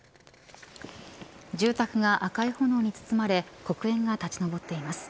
住宅が赤い炎に包まれ黒煙が立ち上っています。